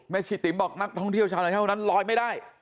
แม่ชีติ๋มบอกนักท่องเที่ยวชาวต่างชาตินั้นลอยไม่ได้